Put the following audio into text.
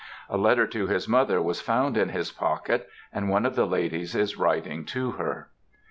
A letter to his mother was found in his pocket, and one of the ladies is writing to her.